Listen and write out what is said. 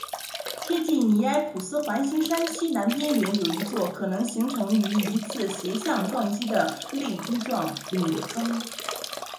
贴近尼埃普斯环形山西南边缘有一座可能形成于一次斜向撞击的泪滴状陨坑。